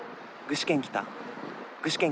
具志堅来た。